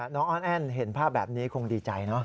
อ้อนแอ้นเห็นภาพแบบนี้คงดีใจเนอะ